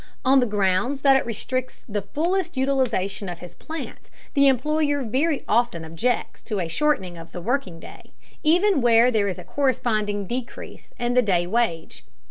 On the grounds that it restricts the fullest utilization of his plant, the employer very often objects to a shortening of the working day, even where there is a corresponding decrease in the day wage.